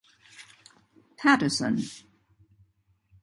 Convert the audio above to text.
Paterson.